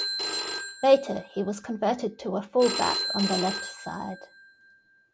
Later, he was converted to a full back on the left side.